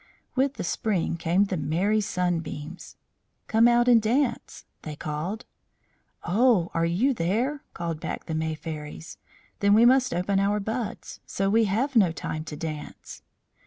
With the spring came the merry Sunbeams. "Come out and dance," they called. "Oh! are you there?" called back the May Fairies. "Then we must open our buds, so we have no time to dance."